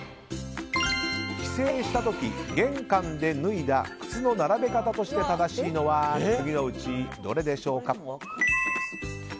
帰省した時玄関で脱いだ靴の並べ方として正しいのは次のうちどれでしょうか？